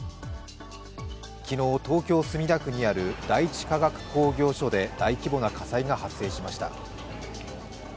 昨日、東京・墨田区にある第一化学工業所で大規模な火災が発生しました。